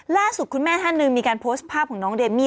ล่าสุดคุณแม่ท่านหนึ่งมีการโพสต์ภาพของน้องเมมี่